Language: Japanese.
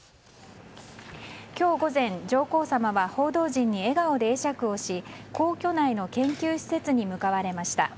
今日午前、上皇さまは報道陣に笑顔で会釈し皇居内の研究施設に向かわれました。